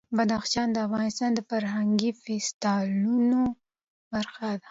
بدخشان د افغانستان د فرهنګي فستیوالونو برخه ده.